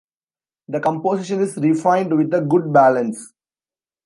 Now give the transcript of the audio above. The composition is refined with a good balance.